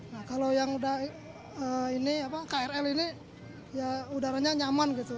nah kalau yang udah ini apa krl ini ya udaranya nyaman gitu